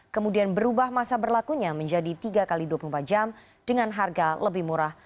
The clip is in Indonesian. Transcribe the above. kemudian berubah masa berlakunya menjadi tiga x dua puluh empat jam dengan harga lebih murah